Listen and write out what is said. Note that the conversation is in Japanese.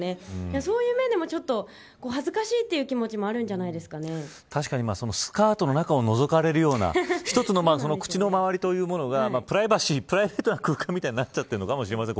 そういう面でも、恥ずかしいという気持ちも確かに、スカートの中をのぞかれるような一つの口の周りというものがプライベートな空間みたいになっちゃってるのかもしれません。